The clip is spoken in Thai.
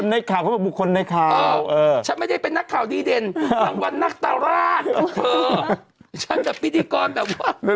นักข่าวดีเด่นรางวัลนักตาราชเออฉันกับพิธีกรแบบว่า